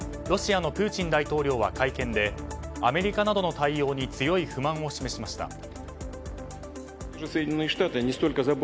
ロシアのプーチン大統領は会見でアメリカなどの対応に強い不満を示しました。